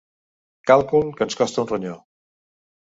Càlcul que ens costa un ronyó.